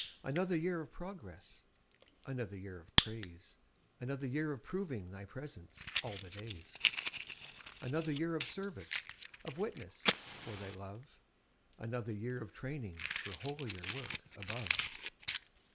Another year of progress, Another year of praise; Another year of proving Thy presence 'all the days.' Another year of service, Of witness for Thy love; Another year of training For holier work above.